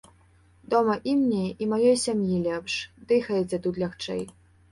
Дома і мне, і маёй сям'і лепш, дыхаецца тут лягчэй.